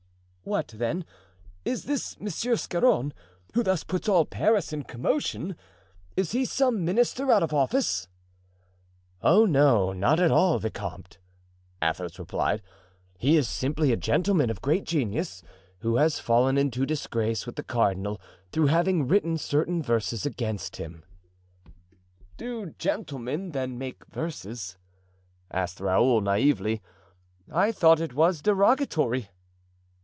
"What, then, is this Monsieur Scarron, who thus puts all Paris in commotion? Is he some minister out of office?" "Oh, no, not at all, vicomte," Athos replied; "he is simply a gentleman of great genius who has fallen into disgrace with the cardinal through having written certain verses against him." "Do gentlemen, then, make verses?" asked Raoul, naively, "I thought it was derogatory."